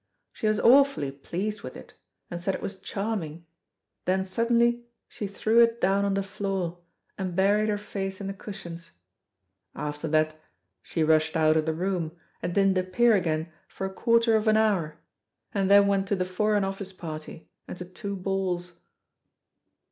She was awfully pleased with it, and said it was charming, then suddenly she threw it down on the floor, and buried her face in the cushions. After that she rushed out of the room, and didn't appear again for a quarter of an hour, and then went to the Foreign Office party, and to two balls."